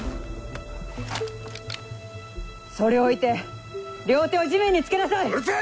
それを置いて両手を地面につけなさい。